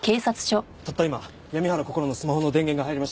たった今闇原こころのスマホの電源が入りました。